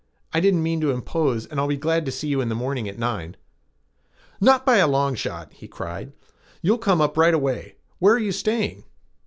I didn't mean to impose and I'll be glad to see you in the morning at nine." "Not by a long shot," he cried. "You'll come up right away. Where are you staying?"